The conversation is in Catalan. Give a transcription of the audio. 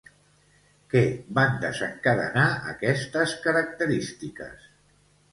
Què van desencadenar aquestes característiques?